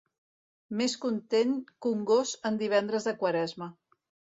Més content que un gos en divendres de Quaresma.